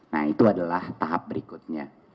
nah itu adalah tahap berikutnya